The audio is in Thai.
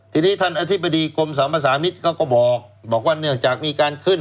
ทีนี้ท่านอธิบดีกรมสรรพสามิตรเขาก็บอกว่าเนื่องจากมีการขึ้น